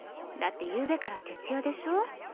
だってゆうべから徹夜でしょ。